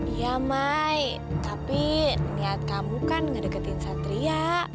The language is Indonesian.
iya mai tapi niat kamu kan ngedekatin satria